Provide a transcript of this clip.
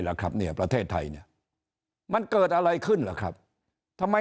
ล่ะครับเนี่ยประเทศไทยเนี่ยมันเกิดอะไรขึ้นล่ะครับทำไม